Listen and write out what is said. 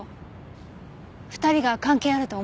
２人が関係あると思ってるの？